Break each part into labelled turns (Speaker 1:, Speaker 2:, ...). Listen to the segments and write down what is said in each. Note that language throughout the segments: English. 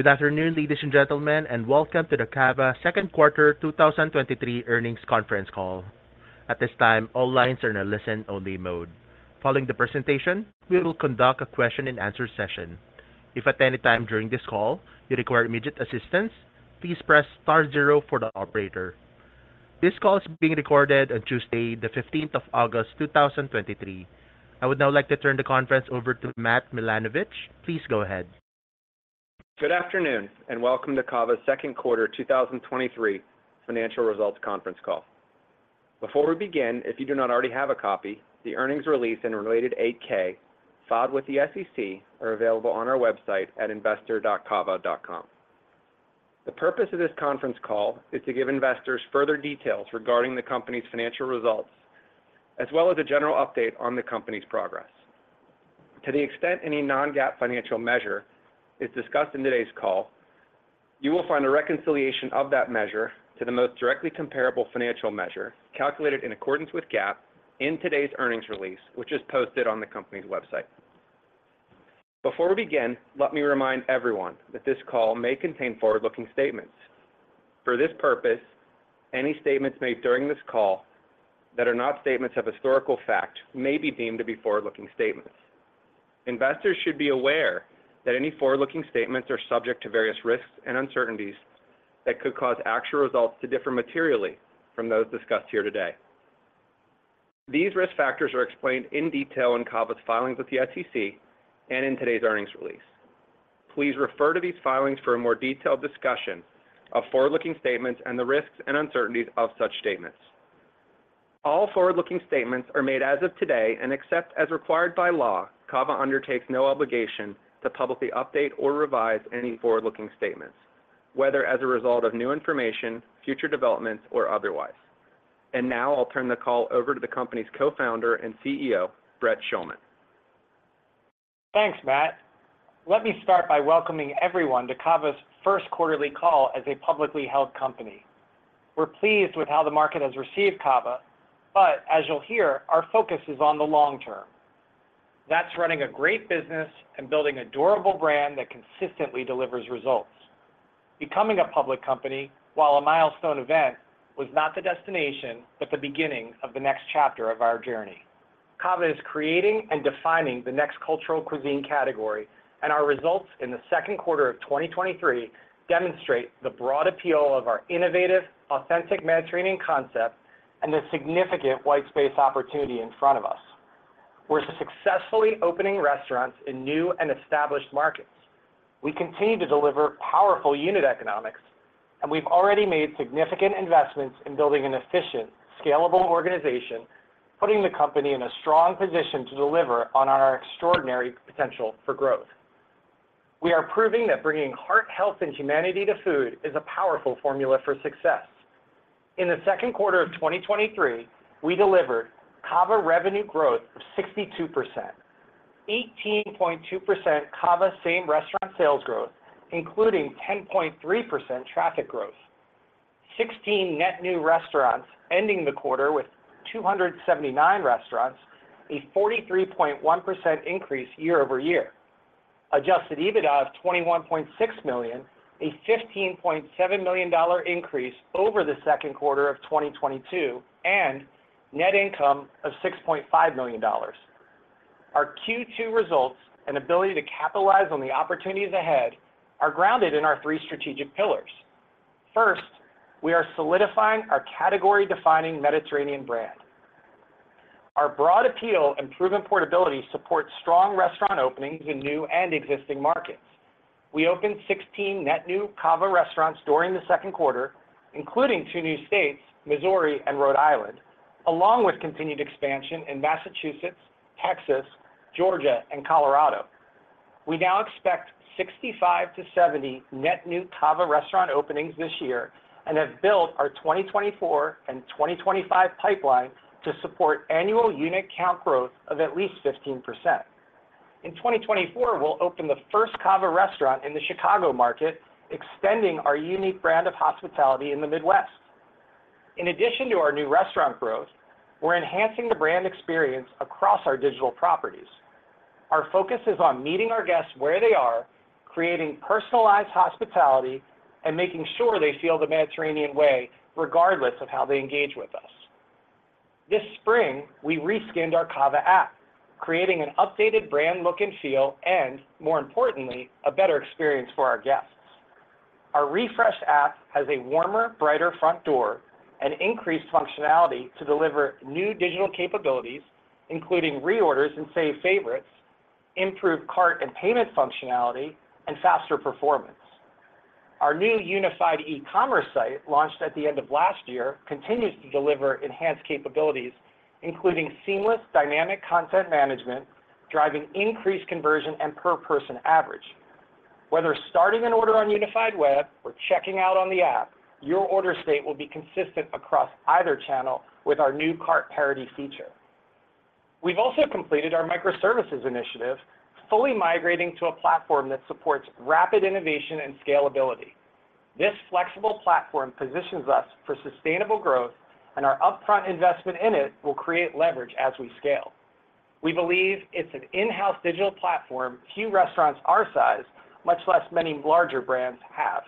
Speaker 1: Good afternoon, ladies and gentlemen, welcome to the CAVA second quarter 2023 earnings conference call. At this time, all lines are in a listen-only mode. Following the presentation, we will conduct a question and answer session. If at any time during this call you require immediate assistance, please press star zero for the operator. This call is being recorded on Tuesday, the 15th of August, 2023. I would now like to turn the conference over to Matt Milanovich. Please go ahead.
Speaker 2: Good afternoon, and welcome to CAVA's second quarter 2023 financial results conference call. Before we begin, if you do not already have a copy, the earnings release and related 8-K filed with the SEC are available on our website at investor.cava.com. The purpose of this conference call is to give investors further details regarding the company's financial results, as well as a general update on the company's progress. To the extent any non-GAAP financial measure is discussed in today's call, you will find a reconciliation of that measure to the most directly comparable financial measure calculated in accordance with GAAP in today's earnings release, which is posted on the company's website. Before we begin, let me remind everyone that this call may contain forward-looking statements. For this purpose, any statements made during this call that are not statements of historical fact may be deemed to be forward-looking statements. Investors should be aware that any forward-looking statements are subject to various risks and uncertainties that could cause actual results to differ materially from those discussed here today. These risk factors are explained in detail in CAVA's filings with the SEC and in today's earnings release. Please refer to these filings for a more detailed discussion of forward-looking statements and the risks and uncertainties of such statements. All forward-looking statements are made as of today, and except as required by law, CAVA undertakes no obligation to publicly update or revise any forward-looking statements, whether as a result of new information, future developments, or otherwise. Now I'll turn the call over to the company's Co-Founder and CEO, Brett Schulman.
Speaker 3: Thanks, Matt. Let me start by welcoming everyone to CAVA's 1st quarterly call as a publicly held company. We're pleased with how the market has received CAVA, but as you'll hear, our focus is on the long term. That's running a great business and building a durable brand that consistently delivers results. Becoming a public company, while a milestone event, was not the destination, but the beginning of the next chapter of our journey. CAVA is creating and defining the next cultural cuisine category, and our results in the 2Q 2023 demonstrate the broad appeal of our innovative, authentic Mediterranean concept and the significant white space opportunity in front of us. We're successfully opening restaurants in new and established markets. We continue to deliver powerful unit economics, and we've already made significant investments in building an efficient, scalable organization, putting the company in a strong position to deliver on our extraordinary potential for growth. We are proving that bringing heart, health, and humanity to food is a powerful formula for success. In the second quarter of 2023, we delivered CAVA revenue growth of 62%, 18.2% CAVA same-restaurant sales growth, including 10.3% traffic growth, 16 net new restaurants, ending the quarter with 279 restaurants, a 43.1% increase year-over-year. Adjusted EBITDA of $21.6 million, a $15.7 million increase over the second quarter of 2022, and net income of $6.5 million. Our Q2 results and ability to capitalize on the opportunities ahead are grounded in our three strategic pillars. First, we are solidifying our category-defining Mediterranean brand. Our broad appeal and proven portability support strong restaurant openings in new and existing markets. We opened 16 net new CAVA restaurants during the second quarter, including 2 new states, Missouri and Rhode Island, along with continued expansion in Massachusetts, Texas, Georgia, and Colorado. We now expect 65-70 net new CAVA restaurant openings this year and have built our 2024 and 2025 pipeline to support annual unit count growth of at least 15%. In 2024, we'll open the first CAVA restaurant in the Chicago market, extending our unique brand of hospitality in the Midwest. In addition to our new restaurant growth, we're enhancing the brand experience across our digital properties. Our focus is on meeting our guests where they are, creating personalized hospitality, and making sure they feel the Mediterranean way regardless of how they engage with us. This spring, we re-skinned our CAVA app, creating an updated brand look and feel, and more importantly, a better experience for our guests. Our refreshed app has a warmer, brighter front door and increased functionality to deliver new digital capabilities, including reorders and save favorites, improved cart and payment functionality, and faster performance. Our new unified e-commerce site, launched at the end of last year, continues to deliver enhanced capabilities, including seamless dynamic content management, driving increased conversion and per person average. Whether starting an order on unified web or checking out on the app, your order state will be consistent across either channel with our new cart parity feature. We've also completed our microservices initiative, fully migrating to a platform that supports rapid innovation and scalability. This flexible platform positions us for sustainable growth, and our upfront investment in it will create leverage as we scale. We believe it's an in-house digital platform few restaurants our size, much less many larger brands, have.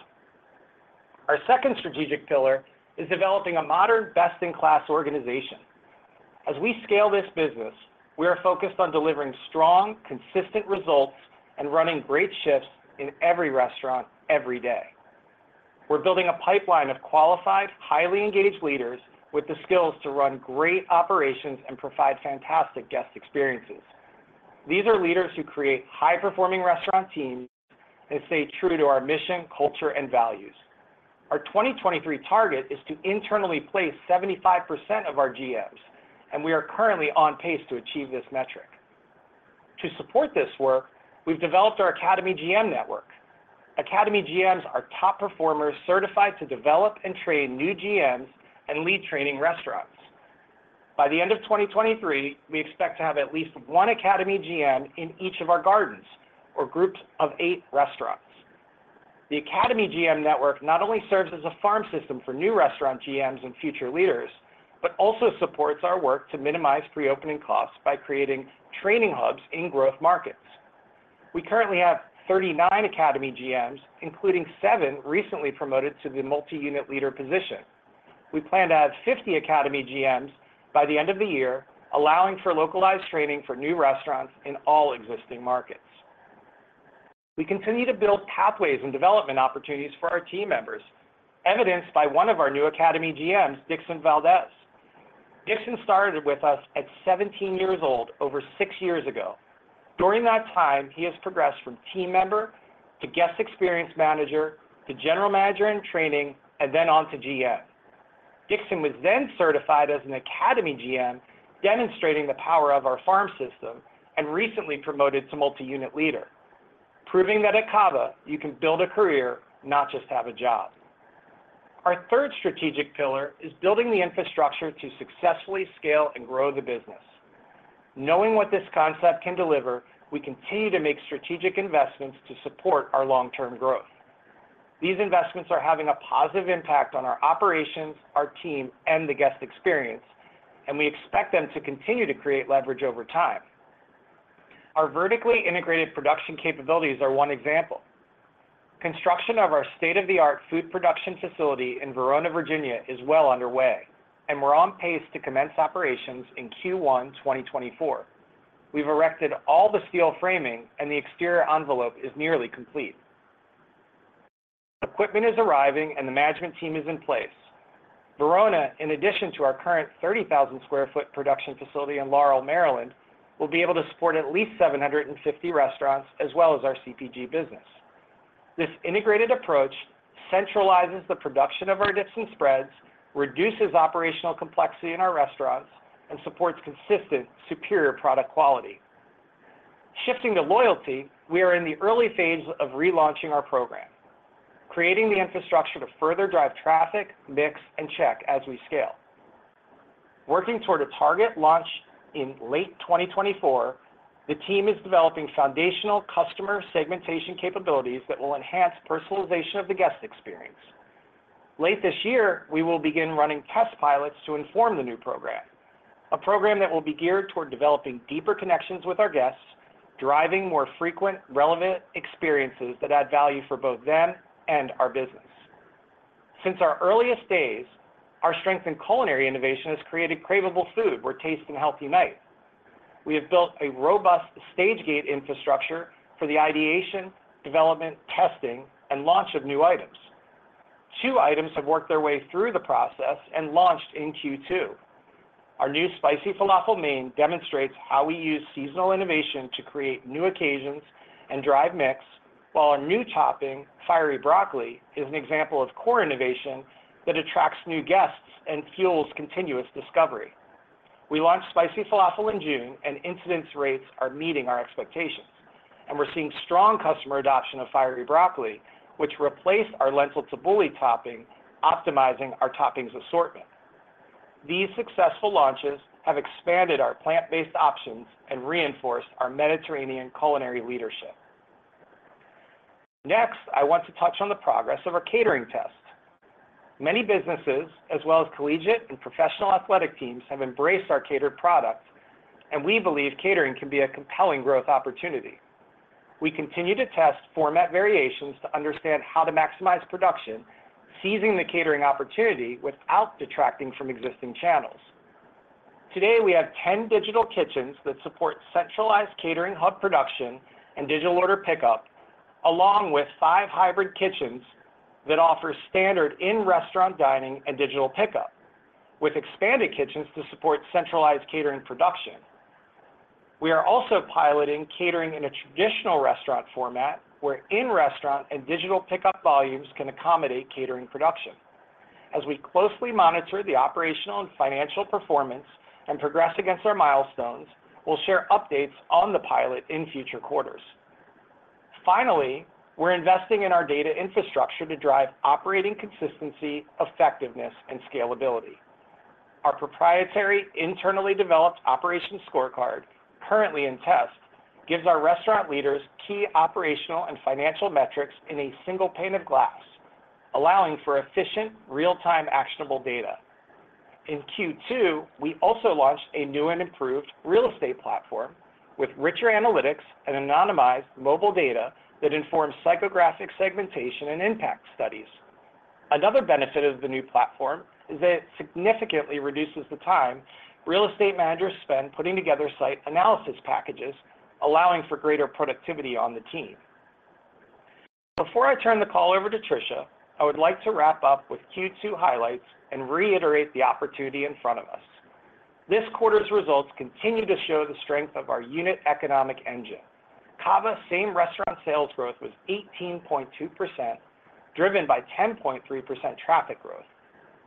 Speaker 3: Our second strategic pillar is developing a modern, best-in-class organization. As we scale this business, we are focused on delivering strong, consistent results and running great shifts in every restaurant, every day. We're building a pipeline of qualified, highly engaged leaders with the skills to run great operations and provide fantastic guest experiences. These are leaders who create high-performing restaurant teams and stay true to our mission, culture, and values. Our 2023 target is to internally place 75% of our GMs, and we are currently on pace to achieve this metric. To support this work, we've developed our Academy GM network. Academy GMs are top performers certified to develop and train new GMs and lead training restaurants. By the end of 2023, we expect to have at least one Academy GM in each of our gardens or groups of 8 restaurants. The Academy GM network not only serves as a farm system for new restaurant GMs and future leaders, but also supports our work to minimize pre-opening costs by creating training hubs in growth markets. We currently have 39 Academy GMs, including 7 recently promoted to the Multi-Unit Leader position. We plan to add 50 Academy GMs by the end of the year, allowing for localized training for new restaurants in all existing markets. We continue to build pathways and development opportunities for our team members, evidenced by one of our new Academy GMs, Dixon Valdez. Dixon started with us at 17 years old, over six years ago. During that time, he has progressed from team member to Guest Experience Manager to general manager in training, and then on to GM. Dixon was then certified as an Academy GM, demonstrating the power of our farm system, and recently promoted to Multi-Unit Leader, proving that at CAVA, you can build a career, not just have a job. Our third strategic pillar is building the infrastructure to successfully scale and grow the business. Knowing what this concept can deliver, we continue to make strategic investments to support our long-term growth. These investments are having a positive impact on our operations, our team, and the guest experience, and we expect them to continue to create leverage over time. Our vertically integrated production capabilities are one example. Construction of our state-of-the-art food production facility in Verona, Virginia, is well underway, and we're on pace to commence operations in Q1, 2024. We've erected all the steel framing, and the exterior envelope is nearly complete. Equipment is arriving, and the management team is in place. Verona, in addition to our current 30,000 sq ft production facility in Laurel, Maryland, will be able to support at least 750 restaurants, as well as our CPG business. This integrated approach centralizes the production of our dips and spreads, reduces operational complexity in our restaurants, and supports consistent, superior product quality. Shifting to loyalty, we are in the early phase of relaunching our program, creating the infrastructure to further drive traffic, mix, and check as we scale. Working toward a target launch in late 2024, the team is developing foundational customer segmentation capabilities that will enhance personalization of the guest experience. Late this year, we will begin running test pilots to inform the new program, a program that will be geared toward developing deeper connections with our guests, driving more frequent, relevant experiences that add value for both them and our business. Since our earliest days, our strength in culinary innovation has created cravable food where taste and healthy meet. We have built a robust stage-gate infrastructure for the ideation, development, testing, and launch of new items. 2 items have worked their way through the process and launched in Q2. Our new Spicy Falafel main demonstrates how we use seasonal innovation to create new occasions and drive mix, while our new topping, Fiery Broccoli, is an example of core innovation that attracts new guests and fuels continuous discovery. We launched Spicy Falafel in June, and incidence rates are meeting our expectations, and we're seeing strong customer adoption of Fiery Broccoli, which replaced our Lentil Tabouli topping, optimizing our toppings assortment. These successful launches have expanded our plant-based options and reinforced our Mediterranean culinary leadership. Next, I want to touch on the progress of our catering test. Many businesses, as well as collegiate and professional athletic teams, have embraced our catered products, and we believe catering can be a compelling growth opportunity. We continue to test format variations to understand how to maximize production, seizing the catering opportunity without detracting from existing channels. Today, we have 10 digital kitchens that support centralized catering hub production and digital order pickup, along with 5 hybrid kitchens that offer standard in-restaurant dining and digital pickup, with expanded kitchens to support centralized catering production. We are also piloting catering in a traditional restaurant format, where in-restaurant and digital pickup volumes can accommodate catering production. As we closely monitor the operational and financial performance and progress against our milestones, we'll share updates on the pilot in future quarters. Finally, we're investing in our data infrastructure to drive operating consistency, effectiveness, and scalability. Our proprietary, internally developed operations scorecard, currently in test, gives our restaurant leaders key operational and financial metrics in a single pane of glass... allowing for efficient, real-time, actionable data. In Q2, we also launched a new and improved real estate platform with richer analytics and anonymized mobile data that informs psychographic segmentation and impact studies. Another benefit of the new platform is that it significantly reduces the time real estate managers spend putting together site analysis packages, allowing for greater productivity on the team. Before I turn the call over to Tricia, I would like to wrap up with Q2 highlights and reiterate the opportunity in front of us. This quarter's results continue to show the strength of our unit economic engine. CAVA same-restaurant sales growth was 18.2%, driven by 10.3% traffic growth.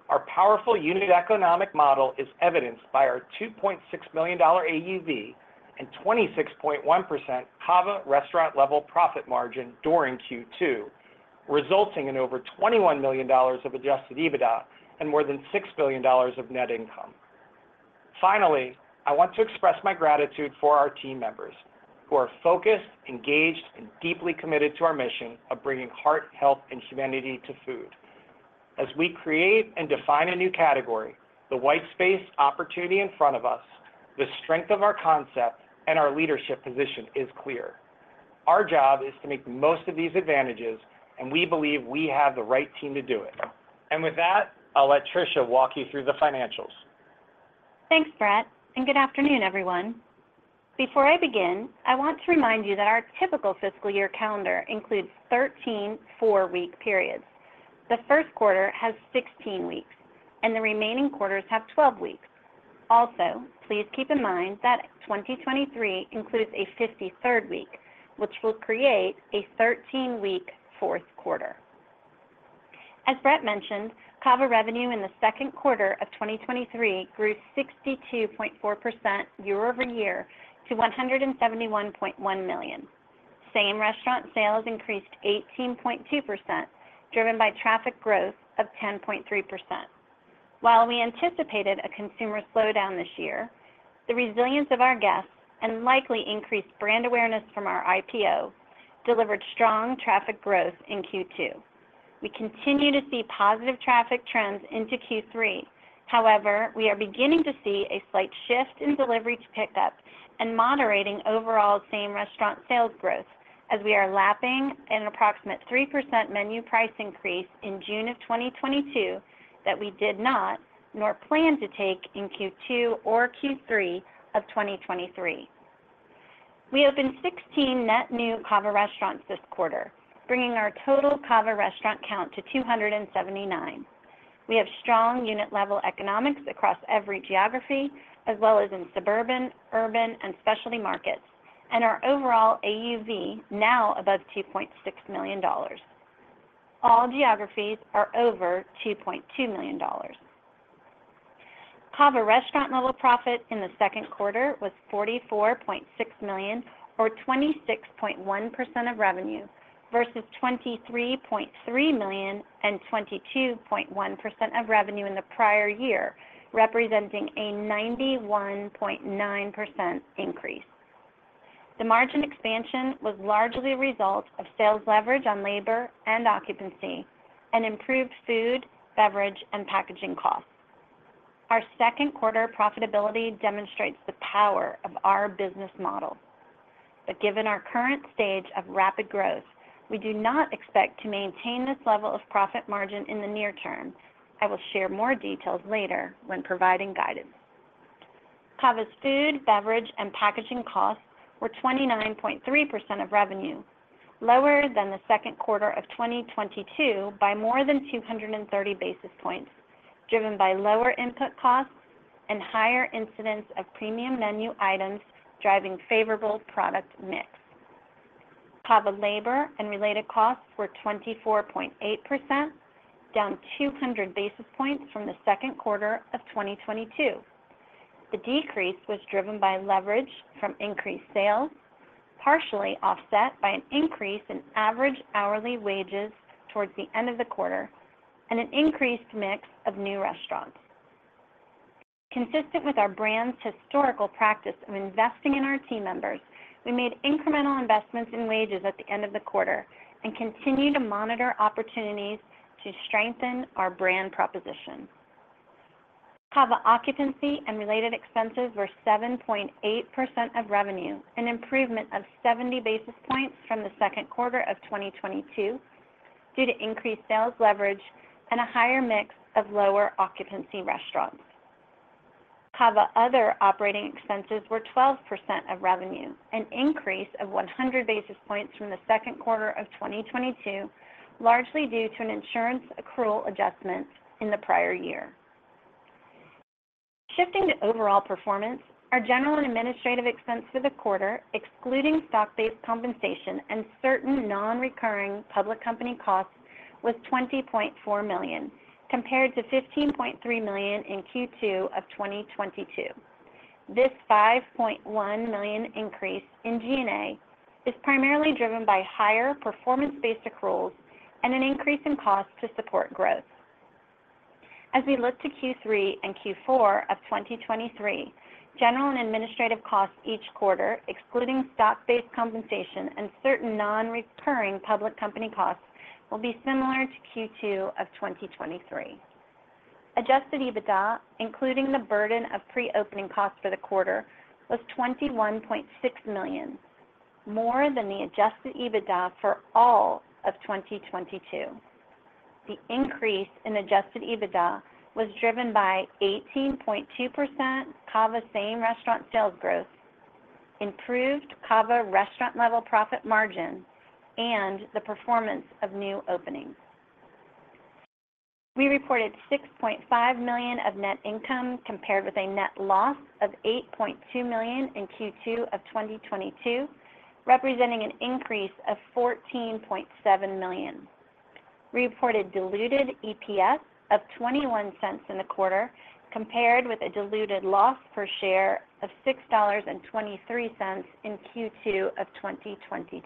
Speaker 3: Our powerful unit economic model is evidenced by our $2.6 million AUV and 26.1% CAVA restaurant-level profit margin during Q2, resulting in over $21 million of Adjusted EBITDA and more than $6 billion of net income. Finally, I want to express my gratitude for our team members who are focused, engaged, and deeply committed to our mission of bringing heart, health, and humanity to food. As we create and define a new category, the white space opportunity in front of us, the strength of our concept and our leadership position is clear. Our job is to make the most of these advantages, and we believe we have the right team to do it. With that, I'll let Tricia walk you through the financials.
Speaker 4: Thanks, Brett. Good afternoon, everyone. Before I begin, I want to remind you that our typical fiscal year calendar includes 13 four-week periods. The first quarter has 16 weeks. The remaining quarters have 12 weeks. Also, please keep in mind that 2023 includes a 53rd week, which will create a 13-week fourth quarter. As Brett mentioned, CAVA revenue in the second quarter of 2023 grew 62.4% year-over-year to $171.1 million. Same-restaurant sales increased 18.2%, driven by traffic growth of 10.3%. While we anticipated a consumer slowdown this year, the resilience of our guests and likely increased brand awareness from our IPO delivered strong traffic growth in Q2. We continue to see positive traffic trends into Q3. However, we are beginning to see a slight shift in delivery to pickup and moderating overall same-restaurant sales growth as we are lapping an approximate 3% menu price increase in June of 2022, that we did not, nor plan to take in Q2 or Q3 of 2023. We opened 16 net new CAVA restaurants this quarter, bringing our total CAVA restaurant count to 279. We have strong unit-level economics across every geography, as well as in suburban, urban, and specialty markets, and our overall AUV now above $2.6 million. All geographies are over $2.2 million. CAVA Restaurant-Level Profit in the second quarter was $44.6 million or 26.1% of revenue, versus $23.3 million and 22.1% of revenue in the prior year, representing a 91.9% increase. The margin expansion was largely a result of sales leverage on labor and occupancy and improved food, beverage, and packaging costs. Our second quarter profitability demonstrates the power of our business model, given our current stage of rapid growth, we do not expect to maintain this level of profit margin in the near term. I will share more details later when providing guidance. CAVA's food, beverage, and packaging costs were 29.3% of revenue, lower than the second quarter of 2022 by more than 230 basis points, driven by lower input costs and higher incidence of premium menu items driving favorable product mix. CAVA labor and related costs were 24.8%, down 200 basis points from the second quarter of 2022. The decrease was driven by leverage from increased sales, partially offset by an increase in average hourly wages towards the end of the quarter and an increased mix of new restaurants. Consistent with our brand's historical practice of investing in our team members, we made incremental investments in wages at the end of the quarter and continue to monitor opportunities to strengthen our brand proposition. CAVA occupancy and related expenses were 7.8% of revenue, an improvement of 70 basis points from the second quarter of 2022 due to increased sales leverage and a higher mix of lower occupancy restaurants. CAVA other operating expenses were 12% of revenue, an increase of 100 basis points from the second quarter of 2022, largely due to an insurance accrual adjustment in the prior year. Shifting to overall performance, our general and administrative expense for the quarter, excluding stock-based compensation and certain non-recurring public company costs, was $20.4 million, compared to $15.3 million in Q2 of 2022. This $5.1 million increase in G&A is primarily driven by higher performance-based accruals and an increase in cost to support growth. As we look to Q3 and Q4 of 2023, general and administrative costs each quarter, excluding stock-based compensation and certain non-recurring public company costs, will be similar to Q2 of 2023. Adjusted EBITDA, including the burden of pre-opening costs for the quarter, was $21.6 million, more than the adjusted EBITDA for all of 2022. The increase in adjusted EBITDA was driven by 18.2% CAVA same-restaurant sales growth, improved CAVA restaurant-level profit margin, and the performance of new openings. We reported $6.5 million of net income, compared with a net loss of $8.2 million in Q2 of 2022, representing an increase of $14.7 million. We reported diluted EPS of $0.21 in the quarter, compared with a diluted loss per share of $6.23 in Q2 of 2022.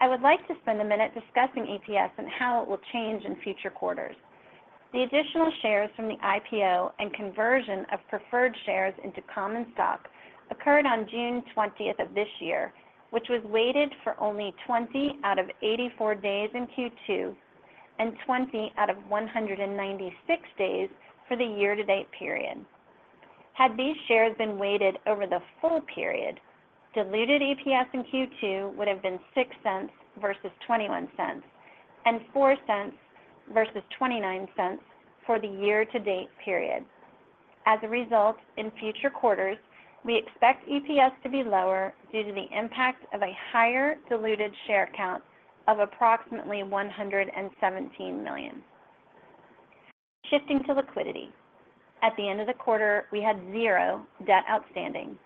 Speaker 4: I would like to spend a minute discussing EPS and how it will change in future quarters. The additional shares from the IPO and conversion of preferred shares into common stock occurred on June 20th of this year, which was weighted for only 20 out of 84 days in Q2, and 20 out of 196 days for the year-to-date period. Had these shares been weighted over the full period, diluted EPS in Q2 would have been $0.06 versus $0.21, and $0.04 versus $0.29 for the year-to-date period. As a result, in future quarters, we expect EPS to be lower due to the impact of a higher diluted share count of approximately 117 million. Shifting to liquidity. At the end of the quarter, we had zero debt outstanding,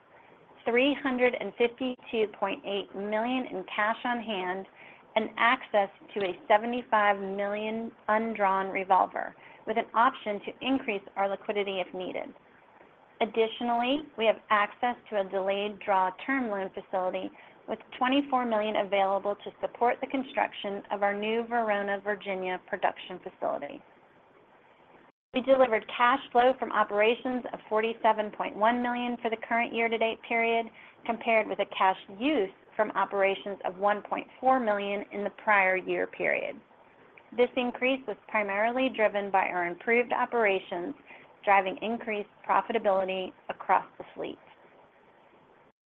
Speaker 4: $352.8 million in cash on hand, and access to a $75 million undrawn revolver, with an option to increase our liquidity if needed. Additionally, we have access to a delayed draw term loan facility with $24 million available to support the construction of our new Verona, Virginia, production facility. We delivered cash flow from operations of $47.1 million for the current year-to-date period, compared with a cash use from operations of $1.4 million in the prior year period. This increase was primarily driven by our improved operations, driving increased profitability across the fleet.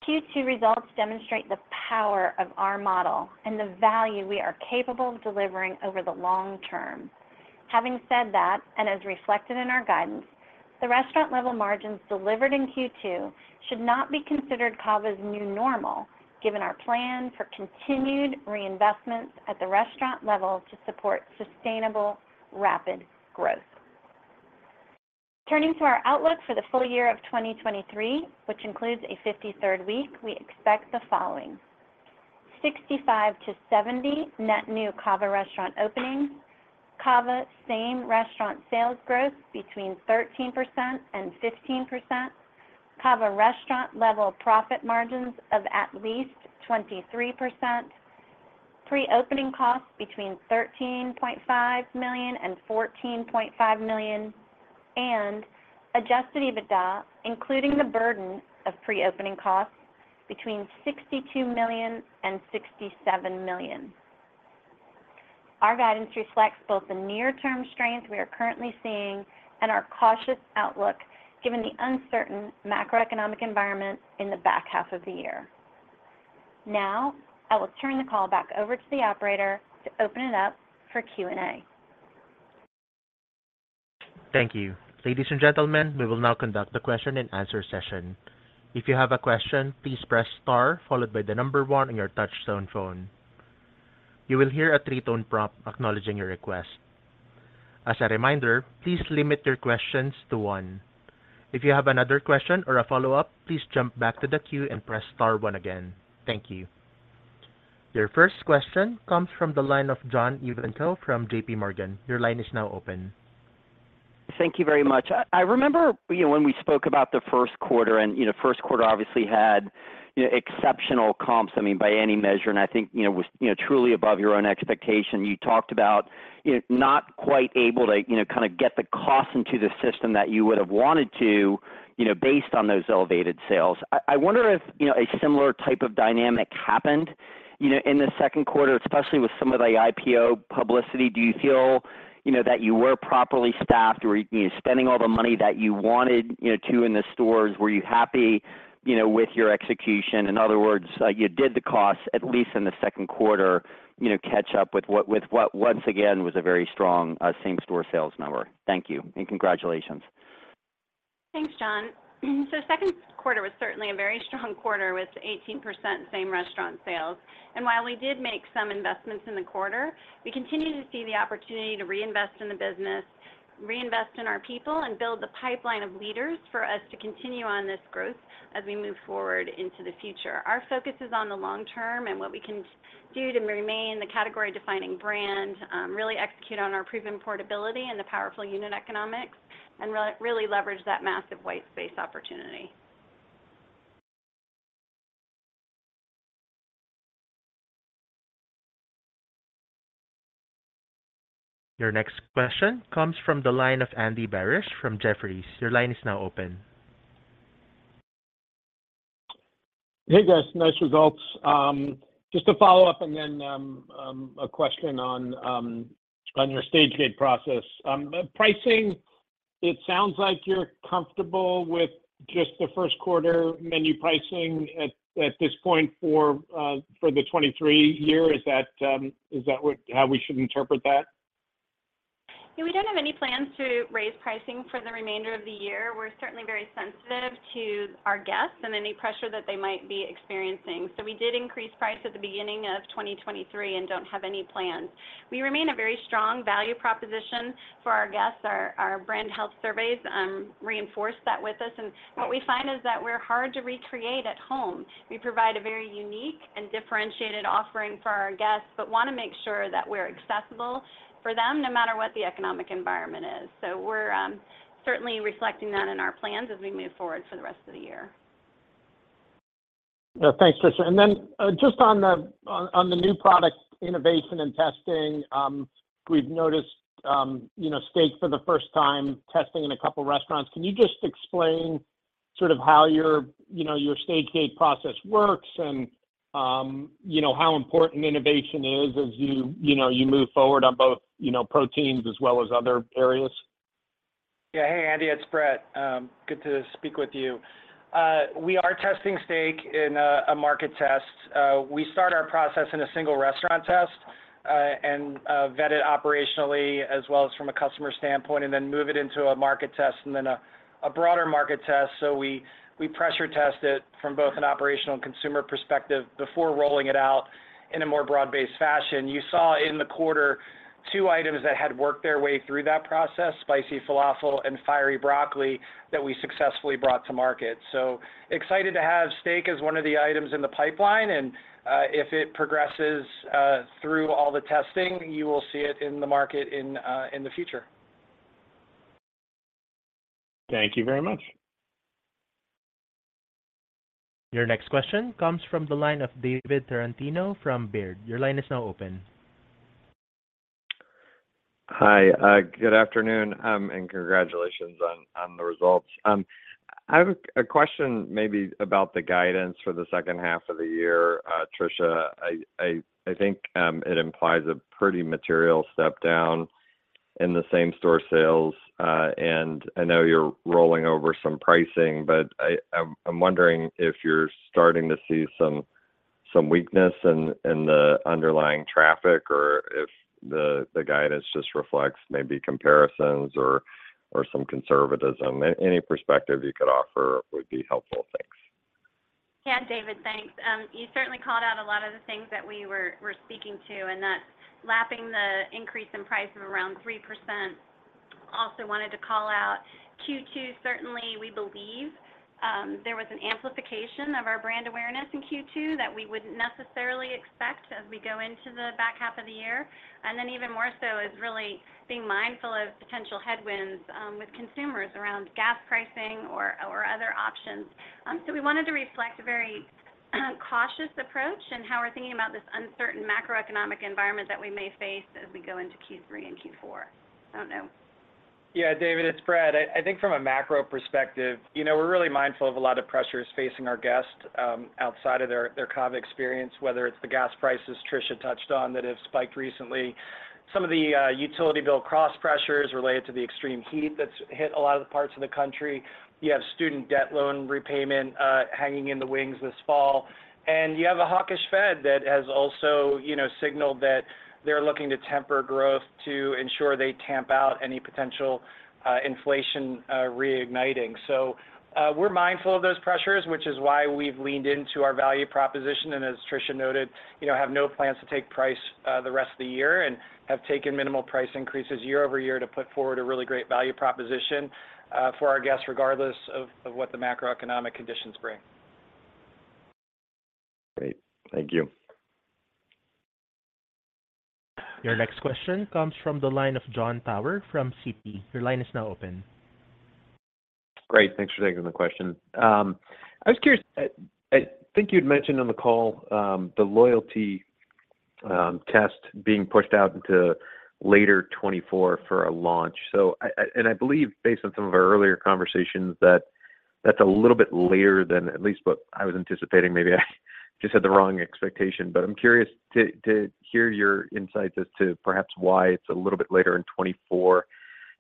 Speaker 4: Q2 results demonstrate the power of our model and the value we are capable of delivering over the long term. Having said that, as reflected in our guidance, the restaurant-level margins delivered in Q2 should not be considered CAVA's new normal, given our plan for continued reinvestments at the restaurant level to support sustainable, rapid growth. Turning to our outlook for the full year of 2023, which includes a 53rd week, we expect the following: 65 to 70 net new CAVA restaurant openings, CAVA same-restaurant sales growth between 13% and 15%, CAVA restaurant-level profit margins of at least 23%, pre-opening costs between $13.5 million and $14.5 million, Adjusted EBITDA, including the burden of pre-opening costs, between $62 million and $67 million. Our guidance reflects both the near-term strength we are currently seeing and our cautious outlook, given the uncertain macroeconomic environment in the back half of the year. Now, I will turn the call back over to the operator to open it up for Q&A.
Speaker 1: Thank you. Ladies and gentlemen, we will now conduct the question-and-answer session. If you have a question, please press star followed by the number one on your touchtone phone. You will hear a three-tone prompt acknowledging your request. As a reminder, please limit your questions to one. If you have another question or a follow-up, please jump back to the queue and press star one again. Thank you. Your first question comes from the line of John Ivankoe from JPMorgan. Your line is now open.
Speaker 5: Thank you very much. I, I remember, you know, when we spoke about the first quarter, and, you know, first quarter obviously had, you know, exceptional comps, I mean by any measure, and I think, you know, was, you know, truly above your own expectation. You talked about, you know, not quite able to, you know, kind of get the cost into the system that you would have wanted to, you know, based on those elevated sales. I, I wonder if, you know, a similar type of dynamic happened, you know, in the second quarter, especially with some of the IPO publicity. Do you feel, you know, that you were properly staffed, or, you know, spending all the money that you wanted, you know, to in the stores? Were you happy, you know, with your execution? In other words, you did the costs, at least in the second quarter, you know, catch up with what, with what once again, was a very strong, same-store sales number. Thank you, and congratulations.
Speaker 6: Thanks, John. 2nd quarter was certainly a very strong quarter with 18% same-restaurant sales. While we did make some investments in the quarter, we continue to see the opportunity to reinvest in the business, reinvest in our people, and build the pipeline of leaders for us to continue on this growth as we move forward into the future. Our focus is on the long term and what we can do to remain the category-defining brand, really execute on our proven portability and the powerful unit economics, and really leverage that massive white space opportunity.
Speaker 1: Your next question comes from the line of Andy Barish from Jefferies. Your line is now open.
Speaker 7: Hey, guys, nice results. Just to follow up and then, a question on, on your stage-gate process. The pricing, it sounds like you're comfortable with just the first quarter menu pricing at, at this point for, for the 2023 year. Is that what-- how we should interpret that?
Speaker 6: Yeah, we don't have any plans to raise pricing for the remainder of the year. We're certainly very sensitive to our guests and any pressure that they might be experiencing. We did increase price at the beginning of 2023 and don't have any plans. We remain a very strong value proposition for our guests. Our, our brand health surveys reinforce that with us, and what we find is that we're hard to recreate at home. We provide a very unique and differentiated offering for our guests, but wanna make sure that we're accessible for them, no matter what the economic environment is. We're certainly reflecting that in our plans as we move forward for the rest of the year.
Speaker 7: Yeah. Thanks, Tricia. Just on the new product innovation and testing, we've noticed, you know, Steak for the first time testing in a couple of restaurants. Can you just explain sort of how your, you know, your stage-gate process works and, you know, how important innovation is as you, you know, you move forward on both, you know, proteins as well as other areas?
Speaker 3: Yeah. Hey, Andy, it's Brett. Good to speak with you. We are testing Steak in a, a market test. We start our process in a single restaurant test, and vet it operationally as well as from a customer standpoint, and then move it into a market test and then a, a broader market test. We, we pressure test it from both an operational and consumer perspective before rolling it out in a more broad-based fashion. You saw in the quarter 2 items that had worked their way through that process, Spicy Falafel and Fiery Broccoli, that we successfully brought to market. Excited to have Steak as one of the items in the pipeline, and if it progresses through all the testing, you will see it in the market in the future.
Speaker 7: Thank you very much.
Speaker 1: Your next question comes from the line of David Tarantino from Baird. Your line is now open.
Speaker 8: Hi. Good afternoon, and congratulations on the results. I have a question maybe about the guidance for the second half of the year. Tricia, I think it implies a pretty material step down in the same-store sales. I know you're rolling over some pricing, but I'm wondering if you're starting to see some weakness in the underlying traffic, or if the guidance just reflects maybe comparisons or some conservatism. Any perspective you could offer would be helpful. Thanks.
Speaker 6: Yeah, David, thanks. You certainly called out a lot of the things that we were, we're speaking to, and that's lapping the increase in price of around 3%. Also wanted to call out Q2, certainly, we believe, there was an amplification of our brand awareness in Q2 that we wouldn't necessarily expect as we go into the back half of the year. Then even more so, is really being mindful of potential headwinds, with consumers around gas pricing or, or other options. We wanted to reflect a very cautious approach in how we're thinking about this uncertain macroeconomic environment that we may face as we go into Q3 and Q4. I don't know.
Speaker 3: Yeah, David, it's Brett. I, I think from a macro perspective, you know, we're really mindful of a lot of pressures facing our guests, outside of their, their COVID experience, whether it's the gas prices Tricia touched on that have spiked recently. Some of the utility bill cross pressures related to the extreme heat that's hit a lot of the parts of the country. You have student debt loan repayment, hanging in the wings this fall, you have a hawkish Fed that has also, you know, signaled that they're looking to temper growth to ensure they tamp out any potential inflation reigniting. We're mindful of those pressures, which is why we've leaned into our value proposition, and as Tricia noted, you know, have no plans to take price the rest of the year and have taken minimal price increases year-over-year to put forward a really great value proposition for our guests, regardless of what the macroeconomic conditions bring.
Speaker 8: Great. Thank you.
Speaker 1: Your next question comes from the line of John Tower from Citi. Your line is now open.
Speaker 9: Great. Thanks for taking the question. I was curious, I think you'd mentioned on the call, the loyalty test being pushed out into later 2024 for a launch. I believe based on some of our earlier conversations, that that's a little bit later than at least what I was anticipating. Maybe I just had the wrong expectation, but I'm curious to hear your insights as to perhaps why it's a little bit later in 2024,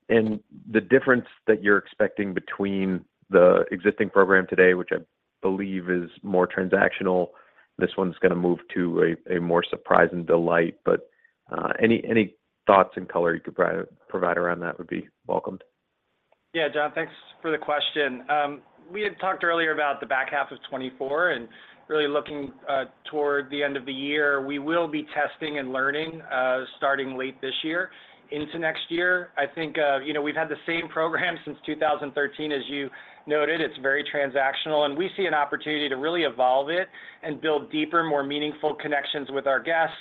Speaker 9: and the difference that you're expecting between the existing program today, which I believe is more transactional. This one's gonna move to a more surprise and delight, but any thoughts and color you could provide around that would be welcomed?
Speaker 3: Yeah, John, thanks for the question. We had talked earlier about the back half of 2024, and really looking toward the end of the year, we will be testing and learning starting late this year into next year. I think, you know, we've had the same program since 2013. As you noted, it's very transactional, and we see an opportunity to really evolve it and build deeper, more meaningful connections with our guests,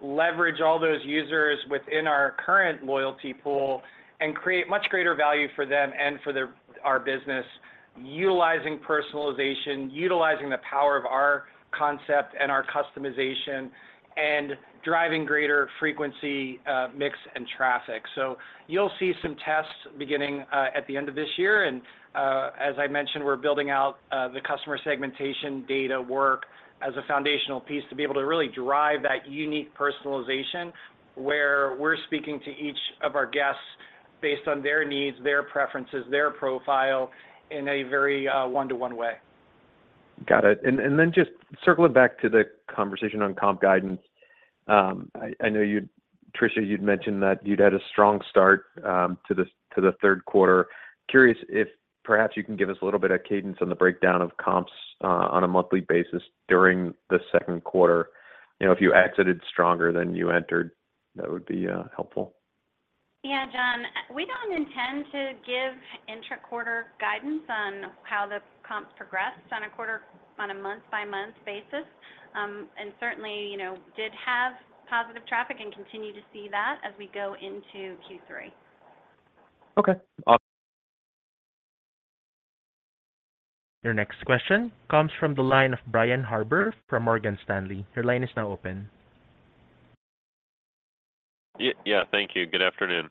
Speaker 3: leverage all those users within our current loyalty pool and create much greater value for them and for their, our business, utilizing personalization, utilizing the power of our concept and our customization, and driving greater frequency, mix, and traffic. You'll see some tests beginning at the end of this year. As I mentioned, we're building out the customer segmentation data work as a foundational piece to be able to really drive that unique personalization, where we're speaking to each of our guests based on their needs, their preferences, their profile in a very one-to-one way.
Speaker 9: Got it. Then just circling back to the conversation on comp guidance. I, I know you'd, Tricia, you'd mentioned that you'd had a strong start to the third quarter. Curious if perhaps you can give us a little bit of cadence on the breakdown of comps on a monthly basis during the second quarter? You know, if you exited stronger than you entered, that would be helpful.
Speaker 6: Yeah, John, we don't intend to give intra-quarter guidance on how the comps progressed on a quarter- on a month-by-month basis. Certainly, you know, did have positive traffic and continue to see that as we go into Q3.
Speaker 9: Okay. Awesome.
Speaker 1: Your next question comes from the line of Brian Harbour from Morgan Stanley. Your line is now open.
Speaker 10: Yeah, thank you. Good afternoon.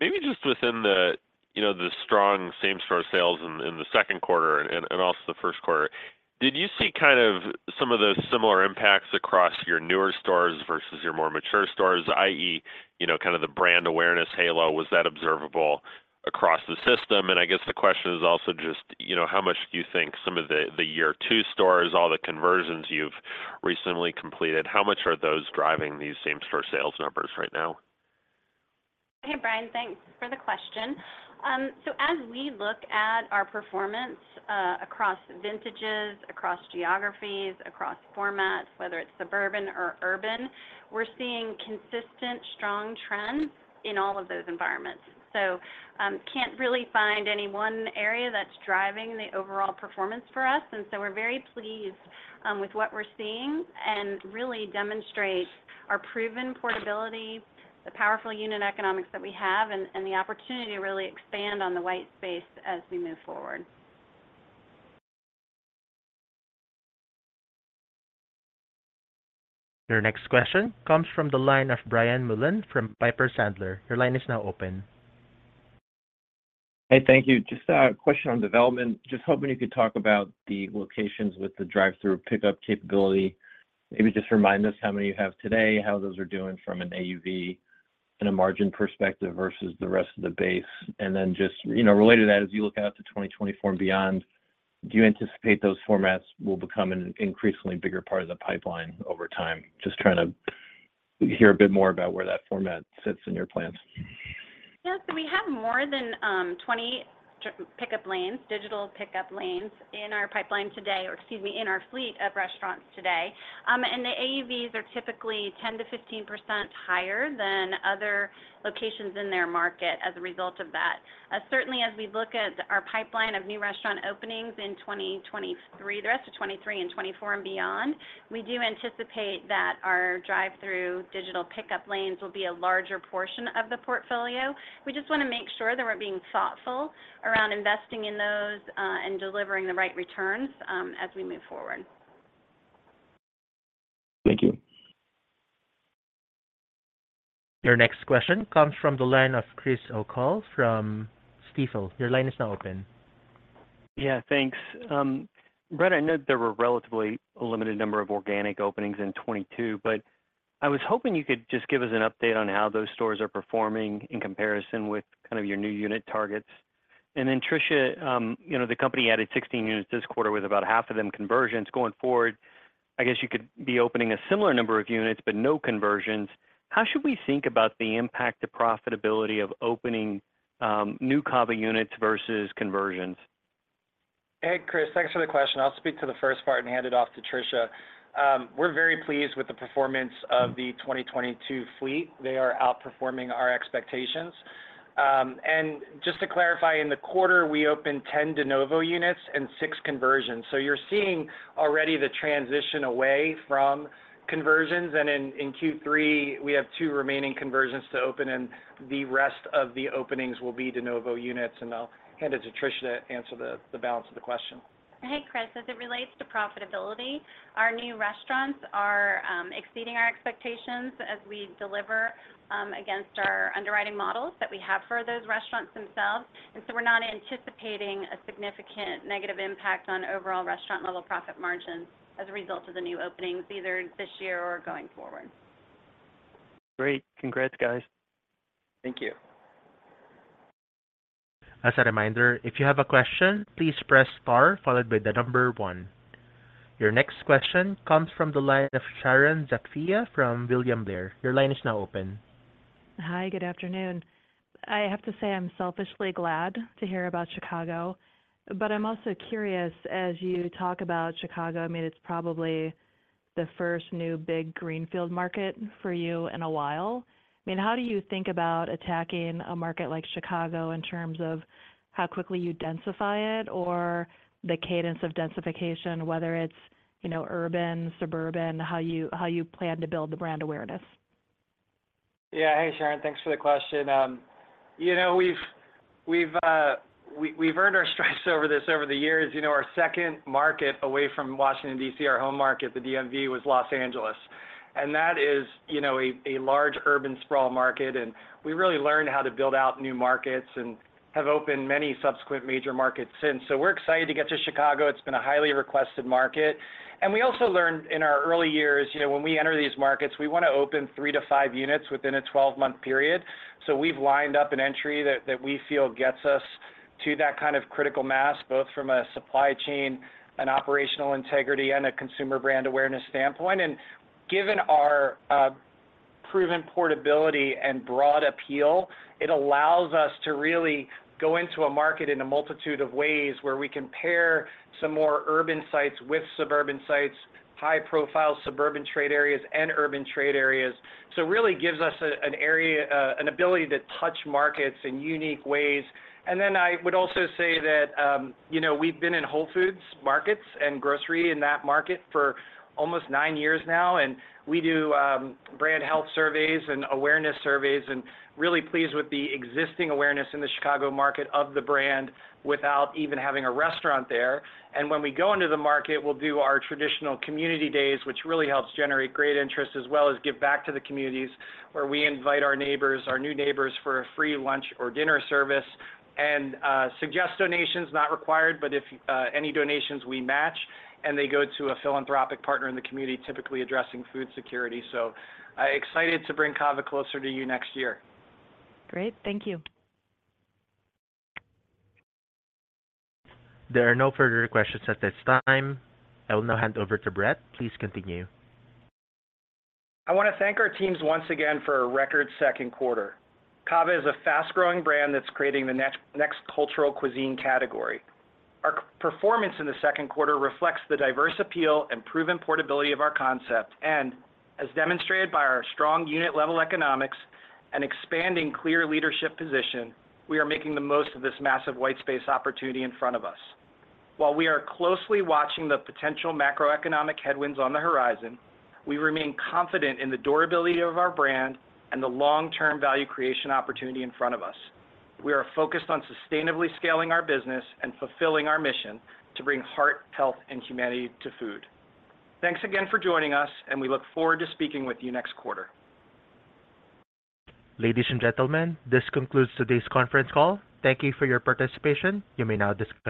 Speaker 10: Maybe just within the, you know, the strong same-store sales in the second quarter and also the first quarter, did you see kind of some of those similar impacts across your newer stores versus your more mature stores, i.e., you know, kind of the brand awareness halo, was that observable across the system? I guess the question is also just, you know, how much do you think some of the Year Two stores, all the conversions you've recently completed, how much are those driving these same-store sales numbers right now?
Speaker 6: Hey, Brian, thanks for the question. As we look at our performance across vintages, across geographies, across formats, whether it's suburban or urban, we're seeing consistent strong trends in all of those environments. Can't really find any one area that's driving the overall performance for us. We're very pleased with what we're seeing, and really demonstrate our proven portability, the powerful unit economics that we have, and, and the opportunity to really expand on the white space as we move forward.
Speaker 1: Your next question comes from the line of Brian Mullan from Piper Sandler. Your line is now open.
Speaker 11: Hey, thank you. Just a question on development. Just hoping you could talk about the locations with the drive-through pickup capability. Maybe just remind us how many you have today, how those are doing from an AUV and a margin perspective versus the rest of the base. Just, you know, related to that, as you look out to 2024 and beyond, do you anticipate those formats will become an increasingly bigger part of the pipeline over time? Just trying to hear a bit more about where that format sits in your plans.
Speaker 6: Yeah. We have more than 20 digital pickup lanes in our pipeline today, or excuse me, in our fleet of restaurants today. The AUVs are typically 10%-15% higher than other locations in their market as a result of that. Certainly, as we look at our pipeline of new restaurant openings in 2023, the rest of 2023 and 2024 and beyond, we do anticipate that our drive-through digital pickup lanes will be a larger portion of the portfolio. We just wanna make sure that we're being thoughtful around investing in those, and delivering the right returns, as we move forward.
Speaker 11: Thank you.
Speaker 1: Your next question comes from the line of Chris O'Cull from Stifel. Your line is now open.
Speaker 12: Yeah, thanks. Brett, I know there were relatively a limited number of organic openings in 2022, I was hoping you could just give us an update on how those stores are performing in comparison with kind of your new unit targets. Tricia, you know, the company added 16 units this quarter with about half of them conversions. Going forward, I guess you could be opening a similar number of units, no conversions. How should we think about the impact to profitability of opening new CAVA units versus conversions? Hey, Chris, thanks for the question. I'll speak to the first part and hand it off to Tricia. We're very pleased with the performance of the 2022 fleet. They are outperforming our expectations. Just to clarify, in the quarter, we opened 10 de novo units and 6 conversions. You're seeing already the transition away from conversions. In Q3, we have 2 remaining conversions to open, and the rest of the openings will be de novo units. I'll hand it to Tricia to answer the balance of the question.
Speaker 6: Hey, Chris. As it relates to profitability, our new restaurants are exceeding our expectations as we deliver against our underwriting models that we have for those restaurants themselves. We're not anticipating a significant negative impact on overall restaurant-level profit margins as a result of the new openings, either this year or going forward.
Speaker 12: Great. Congrats, guys. Thank you.
Speaker 1: As a reminder, if you have a question, please press star, followed by the number 1. Your next question comes from the line of Sharon Zackfia from William Blair. Your line is now open.
Speaker 13: Hi, good afternoon. I have to say, I'm selfishly glad to hear about Chicago, but I'm also curious, as you talk about Chicago, I mean, it's probably the first new big greenfield market for you in a while. I mean, how do you think about attacking a market like Chicago in terms of how quickly you densify it, or the cadence of densification, whether it's, you know, urban, suburban, how you plan to build the brand awareness?
Speaker 3: Yeah. Hey, Sharon, thanks for the question. You know, we've, we've, we, we've earned our stripes over this over the years. You know, our second market away from Washington, D.C., our home market, the DMV, was Los Angeles. That is, you know, a large urban sprawl market, and we really learned how to build out new markets and have opened many subsequent major markets since. We're excited to get to Chicago, it's been a highly requested market. We also learned in our early years, you know, when we enter these markets, we wanna open three to five units within a 12-month period. We've lined up an entry that, that we feel gets us to that kind of critical mass, both from a supply chain and operational integrity and a consumer brand awareness standpoint. Given our proven portability and broad appeal, it allows us to really go into a market in a multitude of ways, where we can pair some more urban sites with suburban sites, high-profile suburban trade areas, and urban trade areas. It really gives us an area, an ability to touch markets in unique ways. I would also say that, you know, we've been in Whole Foods Market and grocery in that market for almost 9 years now, and we do brand health surveys and awareness surveys, and really pleased with the existing awareness in the Chicago market of the brand without even having a restaurant there. When we go into the market, we'll do our traditional community days, which really helps generate great interest, as well as give back to the communities, where we invite our neighbors, our new neighbors, for a free lunch or dinner service. Suggest donations, not required, but if any donations we match, and they go to a philanthropic partner in the community, typically addressing food security. Excited to bring CAVA closer to you next year. Great. Thank you.
Speaker 1: There are no further questions at this time. I will now hand over to Brett. Please continue.
Speaker 3: I wanna thank our teams once again for a record second quarter. CAVA is a fast-growing brand that's creating the next cultural Mediterranean cuisine category. Our performance in the second quarter reflects the diverse appeal and proven portability of our concept. As demonstrated by our strong unit-level economics and expanding clear leadership position, we are making the most of this massive white space opportunity in front of us. While we are closely watching the potential macroeconomic headwinds on the horizon, we remain confident in the durability of our brand and the long-term value creation opportunity in front of us. We are focused on sustainably scaling our business and fulfilling our mission to bring heart, health, and humanity to food. Thanks again for joining us. We look forward to speaking with you next quarter.
Speaker 1: Ladies and gentlemen, this concludes today's conference call. Thank you for your participation. You may now disconnect.